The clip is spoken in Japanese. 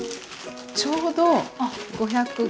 ちょうど５００が。